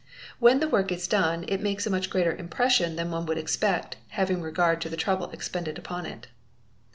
When the work is done, it makes a much greater impression than one would expect, having regard to the trouble expended upon it.